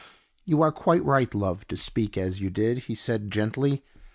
"You are quite right, love, to speak as you did," he said, gently.